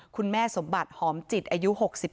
คุณแม่สมบัติหอมจิตอายุ๖๒